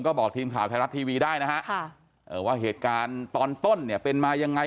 ก็บอกทีมข่าวไทยรัฐทีวีได้นะฮะว่าเหตุการณ์ตอนต้นเนี่ยเป็นมายังไง